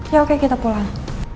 ya oke kita pulang